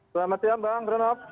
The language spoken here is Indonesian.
selamat siang bang